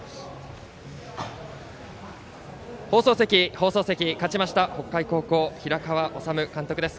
放送席、勝ちました北海高校の平川敦監督です。